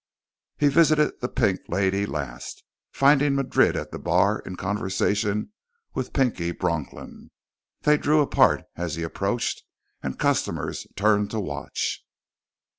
He visited the Pink Lady last, finding Madrid at the bar in conversation with Pinky Bronklin. They drew apart as he approached, and customers turned to watch.